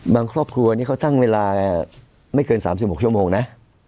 ครอบครัวนี้เขาตั้งเวลาไม่เกิน๓๖ชั่วโมงนะ